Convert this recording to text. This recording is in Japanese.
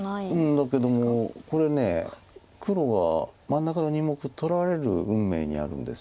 だけどもこれ黒は真ん中の２目取られる運命にあるんですよね。